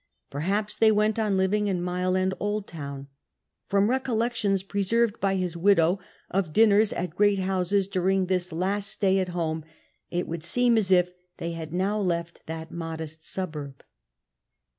Pcrhai)S they went on living in Mile End Old Town. From recollections pre served by his widow of dinnci*s at great houses during this last stay at home, it would seem as if they had now loft that modest suburb.